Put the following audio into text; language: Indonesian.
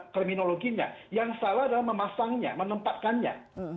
terminologinya yang salah adalah memasangnya menempatkannya